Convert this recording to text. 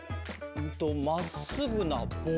まっすぐなぼう。